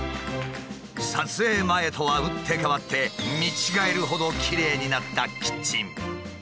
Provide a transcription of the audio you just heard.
撮影前とは打って変わって見違えるほどきれいになったキッチン。